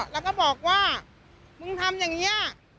แล้วก็บอกว่ามึงทำอย่างนี้